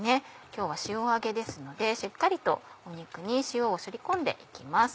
今日は塩揚げですのでしっかりと肉に塩をすり込んで行きます。